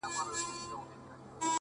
يو خوا يې توره سي تياره ښكاريږي _